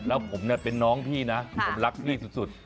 แล้วผมเนี่ยเป็นน้องพี่นะผมรักพี่สุด